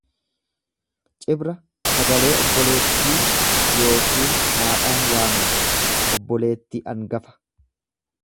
Cibra sagalee obboleettii yookiin haadhaan waaman. obboleettii angafa.